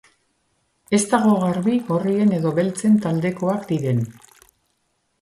Ez dago garbi gorrien edo beltzen taldekoak diren.